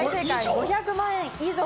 ５００万円以上。